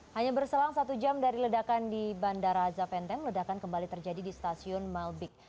hanya berselang satu jam dari ledakan di bandara zaventem ledakan kembali terjadi di stasiun malbik